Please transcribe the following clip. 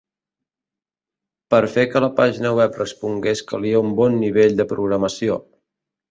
Per fer que la pàgina web respongués calia un bon nivell de programació.